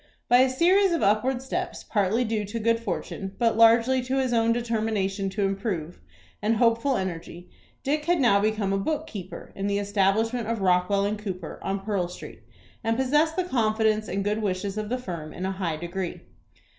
By a series of upward steps, partly due to good fortune, but largely to his own determination to improve, and hopeful energy, Dick had now become a book keeper in the establishment of Rockwell & Cooper, on Pearl Street, and possessed the confidence and good wishes of the firm in a high degree.